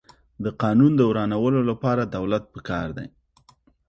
د قانون د ورانولو لپاره دولت پکار دی.